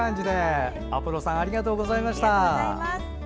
アポロさんありがとうございました。